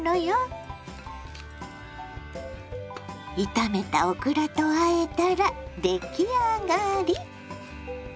炒めたオクラとあえたら出来上がり。